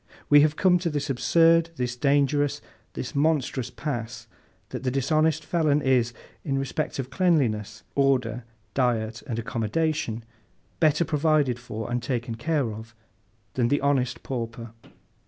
We have come to this absurd, this dangerous, this monstrous pass, that the dishonest felon is, in respect of cleanliness, order, diet, and accommodation, better provided for, and taken care of, than the honest pauper.